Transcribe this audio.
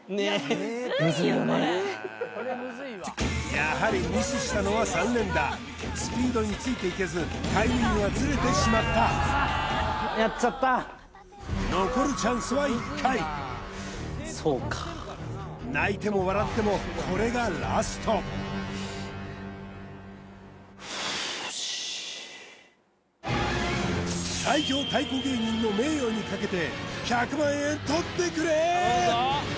やはりミスしたのは３連打スピードについていけずタイミングがズレてしまったやっちゃったそうか泣いても笑ってもこれがラストフーッよし最強太鼓芸人の名誉にかけて１００万円とってくれー！